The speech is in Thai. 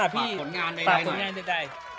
ผลงานได้